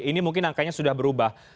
ini mungkin angkanya sudah berubah